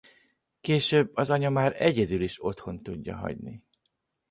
Később az anya már egyedül is otthon tudja hagyni.